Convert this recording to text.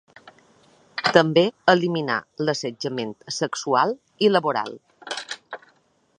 També eliminar l’assetjament sexual i laboral.